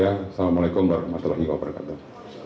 assalamu'alaikum warahmatullahi wabarakatuh